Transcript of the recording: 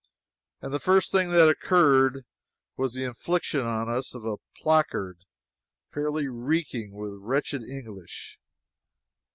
And the first thing that occurred was the infliction on us of a placard fairly reeking with wretched English.